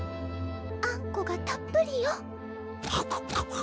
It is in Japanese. あんこがたっぷりよ。